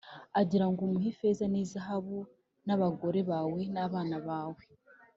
agira ngo umuhe ifeza n’izahabu n’abagore bawe n’abana bawe,